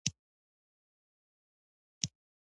دی وايي موټر دي وي او جنګ دي وي